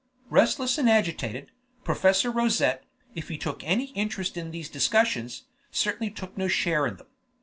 Restless and agitated, Professor Rosette, if he took any interest in these discussions, certainly took no share in them.